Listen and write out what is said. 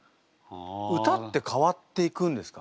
歌って変わっていくんですか？